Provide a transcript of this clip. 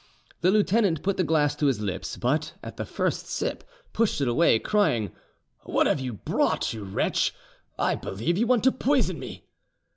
The lieutenant put the glass to his lips, but at the first sip pushed it away, crying, "What have you brought, you wretch? I believe you want to poison me."